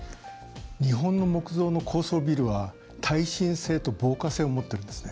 日本の木造の高層ビルは耐震性と防火性を持っているんですね。